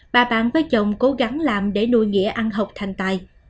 bà bạn với chồng cố gắng làm để nuôi nghĩa ăn học thành tài